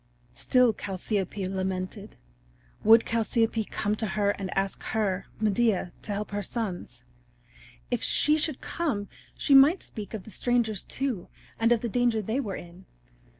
Still Chalciope lamented. Would Chalciope come to her and ask her, Medea, to help her sons? If she should come she might speak of the strangers, too, and of the danger they were in.